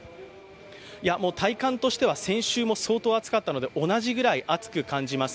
体感としては先週も相当暑かったので同じぐらい暑く感じます。